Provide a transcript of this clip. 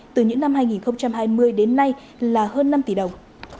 từ những năm hai nghìn hai mươi đến nay là hơn năm tỷ đồng